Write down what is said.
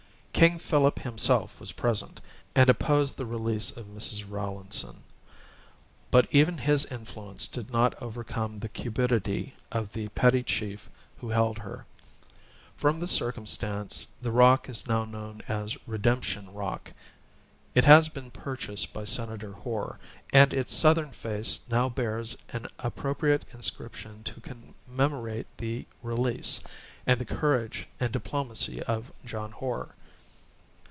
King Philip himself was present, and opposed the release of Mrs. Rowlandson; but even his influence did not overcome the cupidity of the petty chief who held her. From this circumstance the rock is known as Redemption Rock. It has been purchased by Senator Hoar, and its southern face now bears an appropriate inscription to commemorate the release, and the courage and diplomacy of John Hoar.